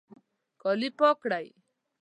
کالي پاک کړئ